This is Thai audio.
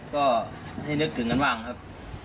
ก็ให้นึกถึงกันบ้างครับ